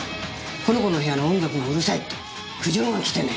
この子の部屋の音楽がうるさいって苦情が来てね。